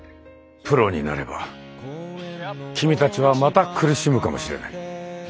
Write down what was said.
プロになれば君たちはまた苦しむかもしれない。